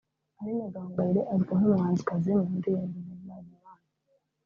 Aline Gahongayire azwi nk’umuhanzikazi mu ndirimbo zihimbaza Imana